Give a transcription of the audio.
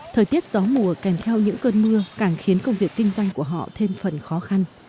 thời tiết gió mùa kèm theo những cơn mưa càng khiến công việc kinh doanh của họ thêm phần khó khăn